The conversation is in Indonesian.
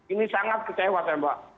ini sangat kecewa mbak